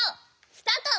スタート！